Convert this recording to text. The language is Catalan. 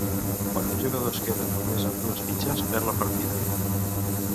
Quan un jugador es queda només amb dues fitxes perd la partida.